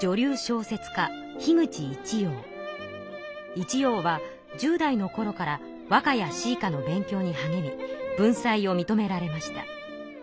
一葉は１０代のころから和歌や詩歌の勉強にはげみ文才をみとめられました。